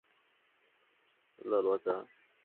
勒罗泽。